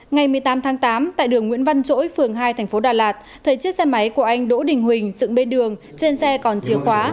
ngày một mươi tám tháng tám tại đường nguyễn văn chỗi phường hai tp đà lạt thấy chiếc xe máy của anh đỗ đình huỳnh dựng bên đường trên xe còn chìa khóa